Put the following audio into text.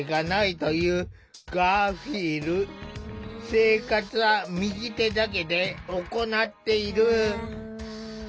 生活は右手だけで行っている。